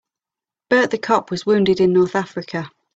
Bert the cop was wounded in North Africa.